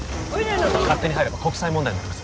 勝手に入れば国際問題になります